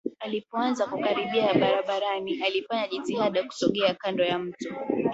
Alipoanza kukaribia barabarani alifanya jitihada kusogea kando ya mto